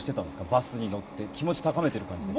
バスに乗って気持ち高めている感じですか？